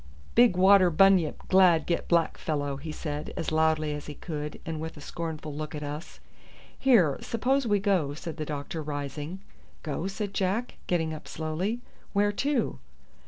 "Big water bunyip glad get black fellow," he said, as loudly as he could, and with a scornful look at us. "Here, suppose we go," said the doctor, rising. "Go?" said Jack, getting up slowly, "where to?"